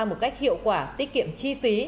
một cách hiệu quả tiết kiệm chi phí